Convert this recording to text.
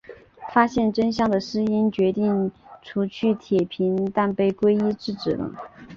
发现真相的诗音决定除去铁平但被圭一制止了。